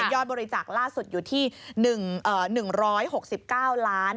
ยอดบริจาคล่าสุดอยู่ที่๑๖๙ล้าน